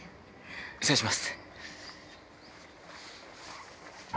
失礼します。